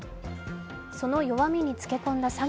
その弱みにつけ込んだ